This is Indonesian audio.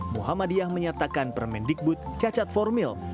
muhammadiyah menyatakan permendikbud cacat formil